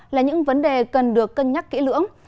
là những vấn đề cần được cân nhắc kỹ lưỡng